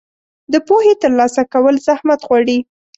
د پوهې ترلاسه کول زحمت غواړي.